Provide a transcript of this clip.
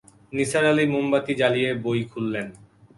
নিসার আলি মোমবাতি জ্বালিয়ে বই খুললেন।